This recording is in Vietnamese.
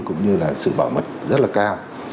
cũng như là sự bảo mật rất là cao